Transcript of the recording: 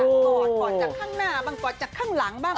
กอดกอดจากข้างหน้าบ้างกอดจากข้างหลังบ้าง